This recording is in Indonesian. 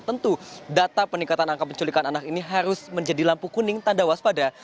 tentu data peningkatan angka penculikan anak ini harus menjadi lampu kuning tanda waspada